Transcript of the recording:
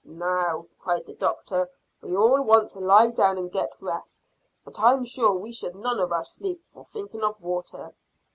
"Now," cried the doctor, "we all want to lie down and rest, but I'm sure we should none of us sleep for thinking of water.